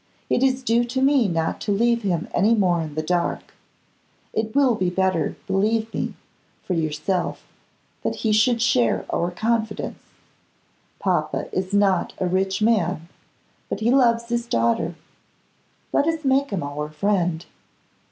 It is due to me not to leave him any more in the dark; it will be better, believe me, for yourself, that he should share our confidence. Papa is not a rich man, but he loves his daughter. Let us make him our friend.